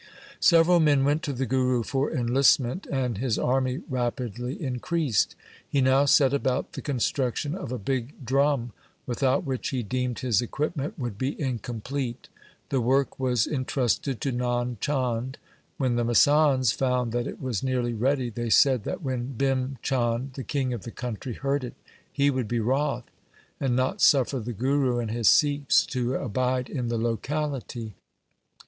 Several men went to the Guru for enlistment, and his army rapidly increased. He now set about the construction of a big drum, without which he deemed his equipment would be incomplete. The work was entrusted to Nand Chand. When the masands found that it was nearly ready they said that when Bhim Chand, the king of the country, heard it, he would be wroth, and not suffer the Guru and his Sikhs to abide in the locality.